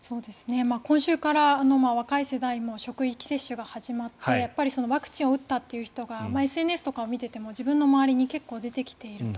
今週から若い世代も職域接種が始まってやっぱりワクチンを打ったという人がＳＮＳとかを見ていても自分の周りに結構出てきていると。